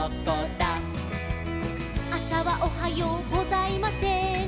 「あさはおはようございません」